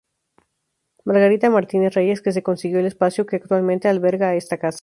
Margarita Martínez Reyes, que se consiguió el espacio que actualmente alberga a esta Casa.